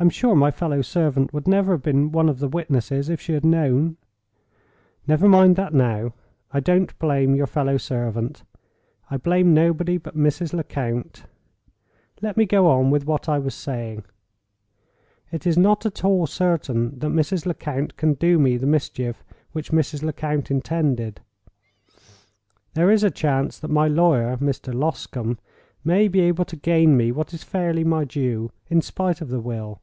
I'm sure my fellow servant would never have been one of the witnesses if she had known—" "Never mind that now. I don't blame your fellow servant—I blame nobody but Mrs. Lecount. Let me go on with what I was saying. It is not at all certain that Mrs. Lecount can do me the mischief which Mrs. Lecount intended. There is a chance that my lawyer, Mr. Loscombe, may be able to gain me what is fairly my due, in spite of the will.